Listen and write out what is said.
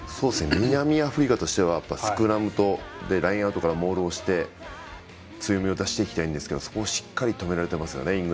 南アフリカとしてはスクラムとラインアウトからモールして、強みを出していきたいんですがそこをしっかり止められていますよね